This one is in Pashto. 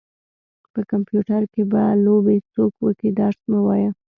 په کمپيوټر کې به لوبې څوک وکي درس مه وايه.